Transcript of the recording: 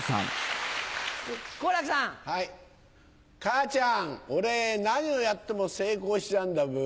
母ちゃん俺何をやっても成功しちゃうんだブ。